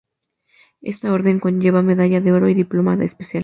Esta orden conlleva medalla de oro y diploma especial.